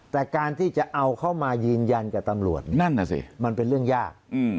แต่การที่จะเอาเข้ามายืนยันกับตำรวจนั่นน่ะสิมันเป็นเรื่องยาก